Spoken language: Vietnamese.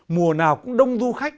mùa nào cũng đông du khách